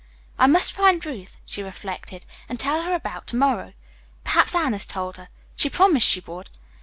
"I must find Ruth," she reflected, "and tell her about to morrow. Perhaps Anne has told her. She promised she would."